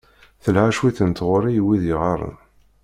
Telha cwiṭ n tɣuri i wid yeɣɣaren.